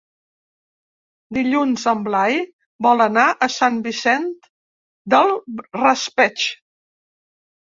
Dilluns en Blai vol anar a Sant Vicent del Raspeig.